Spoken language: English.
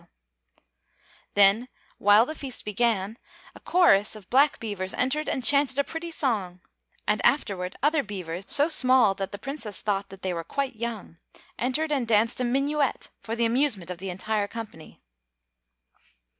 Then, while the feast began, a chorus of black beavers entered and chanted a pretty song; and afterward other beavers, so small that the Princess thought that they were quite young, entered and danced a minuet for the amusement of the entire company.